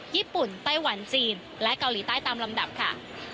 ไต้หวันจีนและเกาหลีใต้ตามลำดับค่ะ